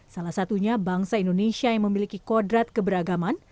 salah satunya bangsa indonesia yang memiliki kodrat keberagaman